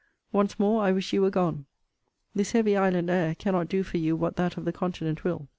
Once more I wish you were gone. This heavy island air cannot do for you what that of the Continent will.